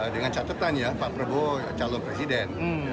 dengan catatan ya pak prabowo calon presiden